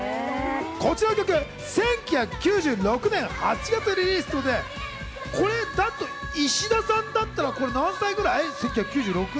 こちらの曲、１９９６年８月リリースということで、これだと石田さんだったら、これ何歳ぐらい？